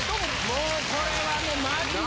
もうこれはねマジで。